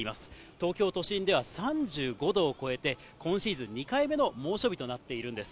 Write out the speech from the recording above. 東京都心では３５度を超えて、今シーズン２回目の猛暑日となっているんです。